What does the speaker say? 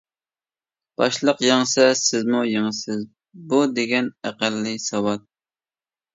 باشلىق يەڭسە سىزمۇ يېڭىسىز، بۇ دېگەن ئەقەللىي ساۋات.